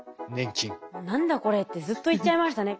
「何だこれ」ってずっと言っちゃいましたね。